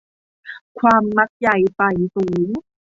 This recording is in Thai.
ความมักใหญ่ใฝ่สูง